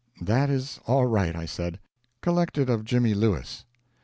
"That is all right," I said, "collect it of Jimmy Lewis."